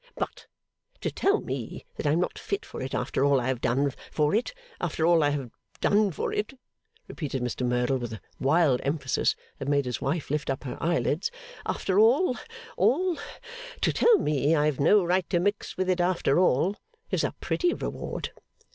But, to tell me that I am not fit for it after all I have done for it after all I have done for it,' repeated Mr Merdle, with a wild emphasis that made his wife lift up her eyelids, 'after all all! to tell me I have no right to mix with it after all, is a pretty reward.